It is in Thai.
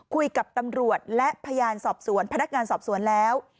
คุยกับตำรวจและพยานสอบสวนพนักงานสอบสวนแล้ว